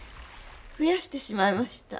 増やしてしまいました。